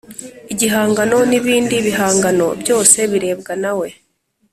igihangano n ‘ibindi bihangano byose birebwa nawe.